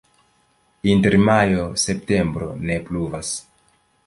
Inter majo-septembro ne pluvas.